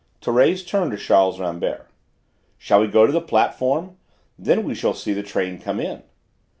Thérèse turned to Charles Rambert. "Shall we go on to the platform? Then we shall see the train come in."